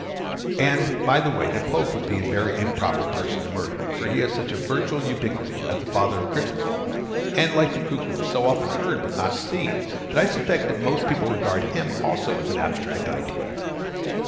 And, by the way, the Pope would be a very improper person to murder: for he has such a virtual ubiquity as the father of Christendom, and, like the cuckoo, is so often heard but never seen, that I suspect most people regard him also as an abstract idea.